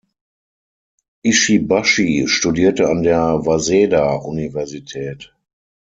Ishibashi studierte an der Waseda-Universität.